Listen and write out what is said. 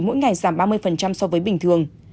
mỗi ngày giảm ba mươi so với bình thường